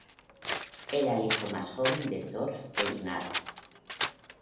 Era el hijo más joven de Torf-Einarr.